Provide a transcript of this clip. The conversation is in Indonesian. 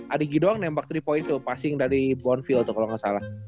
adigi doang nembak tiga point tuh passing dari bonfield tuh kalo gak salah